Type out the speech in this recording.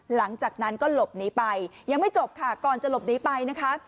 หลังจากนั้นก็หลบหนีไปยังไม่จบค่ะก่อนจะหลบหนีไปนะคะ